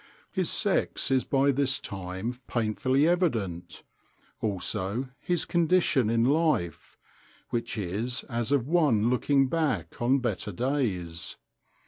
His sex is by this time painfully evident; also his condition in life, which is as of one looking back on better days.